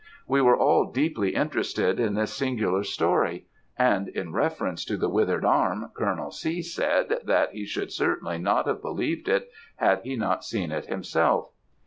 "We were all deeply interested in this singular story; and in reference to the withered arm, Colonel C. said, that he should certainly not have believed it had he not seen it himself.